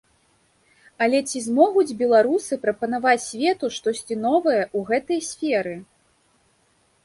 Але ці змогуць беларусы прапанаваць свету штосьці новае ў гэтай сферы?